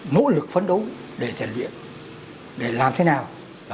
mỗ lực phấn đấu để diễn viện để làm thế nào